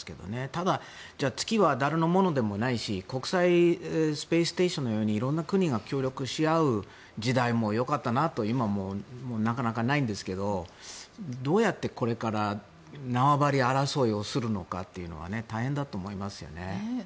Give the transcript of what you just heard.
ただ、月は誰のものでもないし国際スペースステーションのように色んな国が協力しあう時代もよかったなと今、なかなかないんですけどどうやってこれから縄張り争いをするのかは大変だと思いますよね。